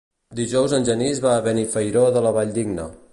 Dijous en Genís va a Benifairó de la Valldigna.